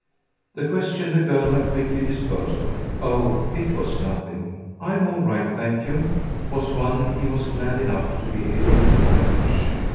The question the girl had quickly disposed of "Oh it was nothing: I'm all right, thank you!" was one he was glad enough to be able to banish.